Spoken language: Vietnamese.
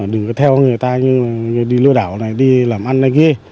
đừng có theo người ta đi lưu đảo này đi làm ăn này ghê